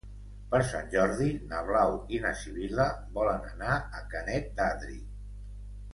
Per Sant Jordi na Blau i na Sibil·la volen anar a Canet d'Adri.